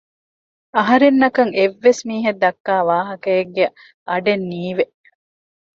އަހަރެންނަކަށް އެއްވެސް މީހެއް ދައްކާވާހަކައެއްގެ އަޑެއް ނީވެ